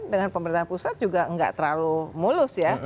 dengan pemerintahan pusat juga gak terlalu mulus ya